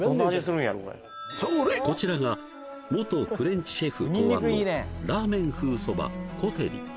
こちらが元フレンチシェフ考案のラーメン風そばコテリ